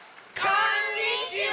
こんにちは。